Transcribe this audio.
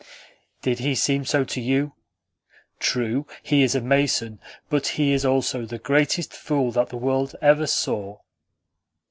"Did he seem so to you? True, he is a mason, but he is also the greatest fool that the world ever saw."